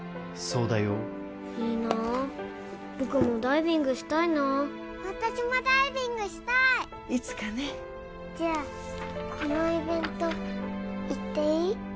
そうだよいいな僕もダイビングしたいなあ私もダイビングしたいいつかねじゃあこのイベント行っていい？